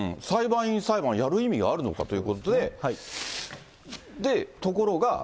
裁判員裁判やる意味があるのかということで、ところが。